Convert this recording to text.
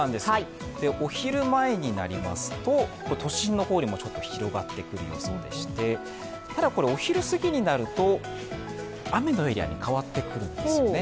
お昼前になりますと、都心の方にも広がってくる予想でしてただこれ、お昼過ぎになると雨のエリアに変わってくるんですね。